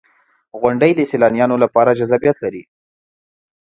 • غونډۍ د سیلانیانو لپاره جذابیت لري.